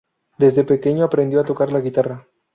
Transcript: Desde pequeño aprendió a tocar la guitarra.